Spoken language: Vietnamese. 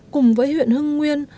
cùng với huyện hưng nguyên